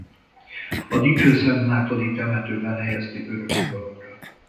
A dicsőszentmártoni temetőben helyezték örök nyugalomra.